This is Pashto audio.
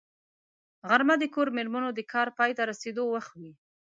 غرمه د کور مېرمنو د کار پای ته رسېدو وخت وي